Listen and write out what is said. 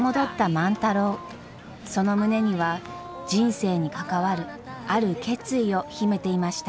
その胸には人生に関わるある決意を秘めていました。